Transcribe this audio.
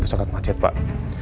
jalan itu sangat macet pak